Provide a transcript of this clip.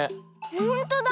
ほんとだ。